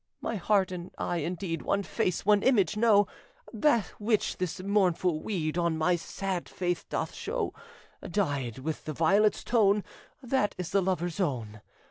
My heart and eye, indeed, One face, one image know, The which this mournful weed On my sad face doth show, Dyed with the violet's tone That is the lover's own.